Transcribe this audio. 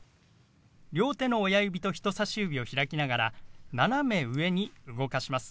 両手の親指と人さし指を開きながら斜め上に動かします。